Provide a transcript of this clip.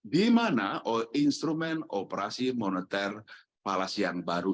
di mana instrumen operasi moneter malaysia yang baru